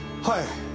はい。